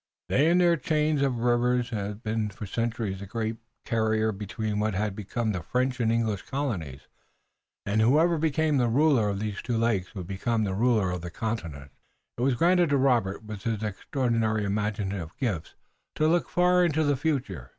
They and their chains of rivers had been for centuries the great carry between what had become the French and English colonies, and whoever became the ruler of these two lakes would become the ruler of the continent. It was granted to Robert with his extraordinary imaginative gifts to look far into the future.